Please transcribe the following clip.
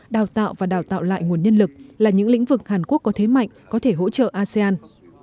đào tạo và đào tạo lại nguồn nhân lực là những lĩnh vực hàn quốc có thế mạnh có thể hỗ trợ asean